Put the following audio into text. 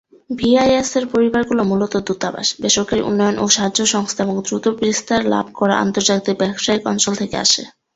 ভিআইএস-এর পরিবারগুলো মূলত দূতাবাস, বেসরকারি উন্নয়ন ও সাহায্য সংস্থা এবং দ্রুত বিস্তার লাভ করা আন্তর্জাতিক ব্যবসায়িক অঞ্চল থেকে আসে।